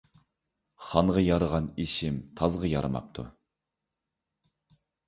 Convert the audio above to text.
خانغا يارىغان ئىشىم تازغا يارىماپتۇ